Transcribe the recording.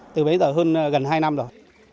từ bấy giờ hơn gần hai năm rồi